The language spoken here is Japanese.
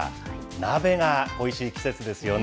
鍋がおいしい季節ですよね。